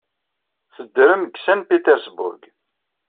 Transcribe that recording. Teddrem deg Saint Petersburg.